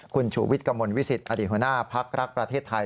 คุณชูวิทย์กระมวลวิสิตอดีตหัวหน้าพักรักประเทศไทย